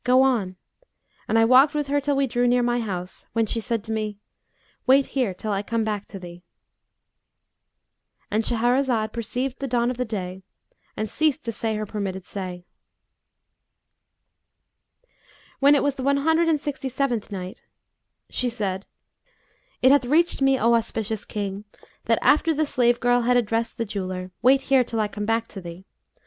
go on;' and I walked with her till we drew near my house, when she said to me, 'Wait here till I come back to thee.'"—And Shahrazad perceived the dawn of day and ceased to say her permitted say. When it was the One Hundred and Sixty seventh Night, She said, It hath reached me, O auspicious King, that after the slave girl had addressed the jeweller, "'Wait here till I come back to thee!'